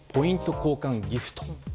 交換ギフト。